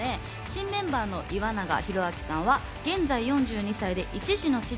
新メンバーの岩永洋昭さんは現在４２歳で１児の父。